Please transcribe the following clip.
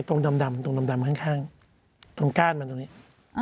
ตรงดำดำตรงดำดำข้างข้างตรงก้านมันตรงนี้อ่า